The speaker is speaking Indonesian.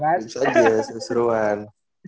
games aja seru seruan